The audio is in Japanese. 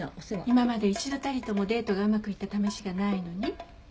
今まで一度たりともデートがうまくいったためしがないのに？